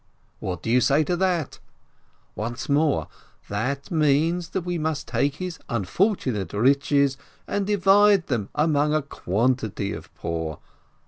What do you say to that? Once more: that means that we must take his unfortunate riches and divide them among a quantity of poor